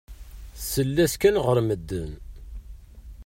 Tessal-as kan ɣer medden.